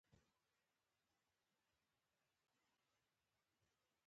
تا هغه کږې کرښې ته وایې